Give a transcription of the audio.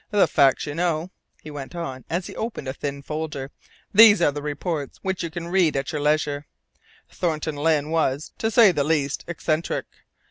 The facts you know," he went on, as he opened a thin folder. "These are the reports, which you can read at your leisure. Thornton Lyne was, to say the least, eccentric.